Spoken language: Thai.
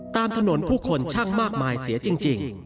ตามถนนผู้คนช่างมากมายเสียจริง